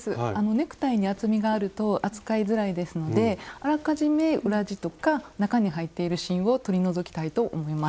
ネクタイに厚みがあると扱いづらいですのであらかじめ裏地とか中に入っている芯を取り除きたいと思います。